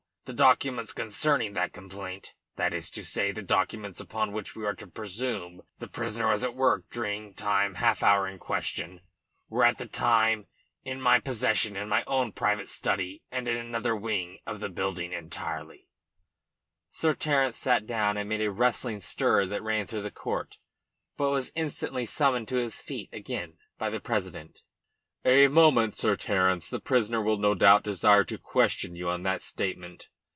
The documents concerning that complaint that is to say, the documents upon which we are to presume that the prisoner was at work during tine half hour in question were at the time in my possession in my own private study and in another wing of the building altogether." Sir Terence sat down amid a rustling stir that ran through the court, but was instantly summoned to his feet again by the president. "A moment, Sir Terence. The prisoner will no doubt desire to question you on that statement."